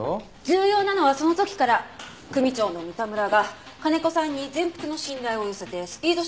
重要なのはその時から組長の三田村が金子さんに全幅の信頼を寄せてスピード出世をさせた事。